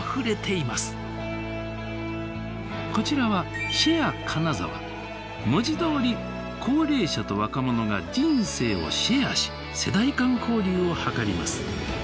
こちらは文字どおり高齢者と若者が人生をシェアし世代間交流を図ります。